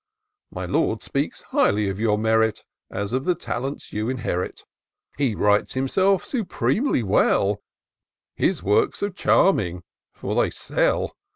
My Lord speaks highly of your merit, As of the talents you inherit ; He writes himself supremely well ; His works are charming — for they sell.